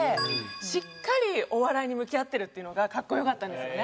しっかりお笑いに向き合ってるっていうのがかっこよかったんですよね。